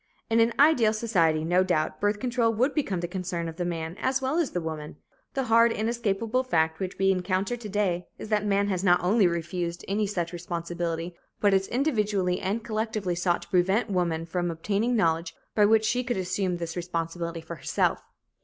In an ideal society, no doubt, birth control would become the concern of the man as well as the woman. The hard, inescapable fact which we encounter to day is that man has not only refused any such responsibility, but has individually and collectively sought to prevent woman from obtaining knowledge by which she could assume this responsibility for herself.